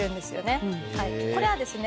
これはですね